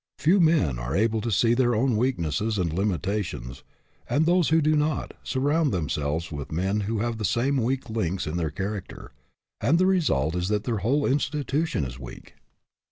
Few men are able to see their own weaknesses and limitations, and tHose who do not, surround themselves with men who have the same weak links in their character, and the result is that their whole institution is weak.